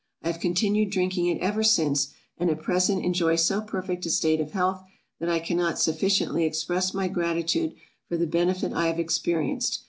I have continued drinking it ever since, and at present enjoy so perfect a state of health, that I cannot sufficiently express my gratitude for the benefit I have experienced.